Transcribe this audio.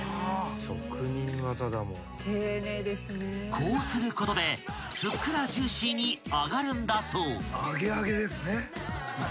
［こうすることでふっくらジューシーに揚がるんだそう］